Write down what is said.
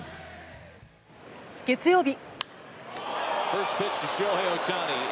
月曜日。